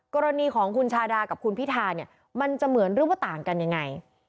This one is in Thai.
กรณีของคุณชาดากับคุณพิธาเนี่ยมันจะเหมือนหรือว่าต่างกันยังไง